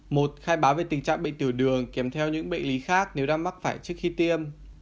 một khai báo về tình trạng bệnh tiểu đường kèm theo những bệnh lý khác nếu đang mắc phải trước khi tiêm